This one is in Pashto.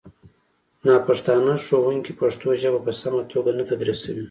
ناپښتانه ښوونکي پښتو ژبه په سمه توګه نه تدریسوي